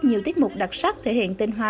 nhiều tiết mục đặc sắc thể hiện tên hoa